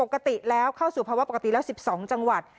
เข้าสู่ภาวะปกติแล้วสิบสองจังหวัด